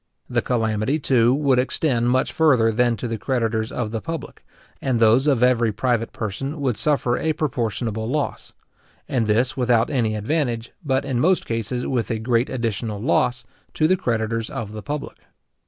The calamity, too, would extend much further than to the creditors of the public, and those of every private person would suffer a proportionable loss; and this without any advantage, but in most cases with a great additional loss, to the creditors of the public.